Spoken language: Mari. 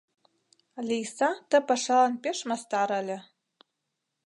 Лийса ты пашалан пеш мастар ыле.